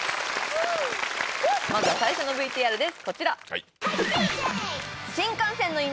まずは最初のＶＴＲです